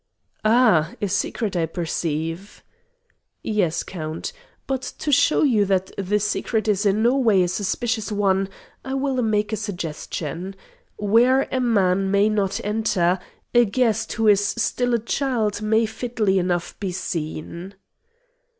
"Ah! A secret, I perceive." "Yes, Count. But to show you that the secret is in no way a suspicious one, I will make a suggestion. Where a man may not enter, a guest who is still a child may fitly enough be seen."